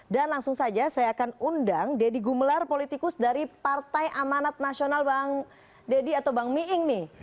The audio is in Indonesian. dan langsung saja saya akan undang deddy gumelar politikus dari partai amanat nasional bang deddy atau bang miing nih